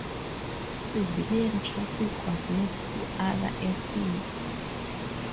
Civilian traffic was moved to other airfields.